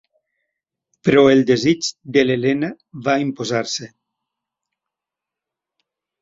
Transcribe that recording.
Però el desig de l'Helena va imposar-se.